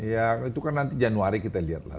yang itu kan nanti januari kita lihat lah